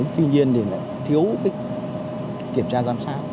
tuy nhiên thì lại thiếu kiểm tra giám sát